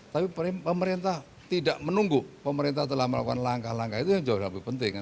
tapi pemerintah tidak menunggu pemerintah telah melakukan langkah langkah itu yang jauh lebih penting